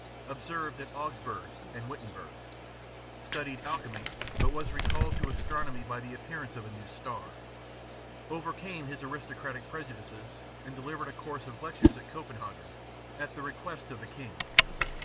Observed at Augsburg and Wittenberg. Studied alchemy, but was recalled to astronomy by the appearance of a new star. Overcame his aristocratic prejudices, and delivered a course of lectures at Copenhagen, at the request of the king.